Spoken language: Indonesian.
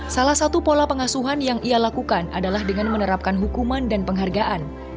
salah satu pola pengasuhan yang ia lakukan adalah dengan menerapkan hukuman dan penghargaan